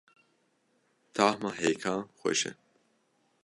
Tahma hêkan xweş e.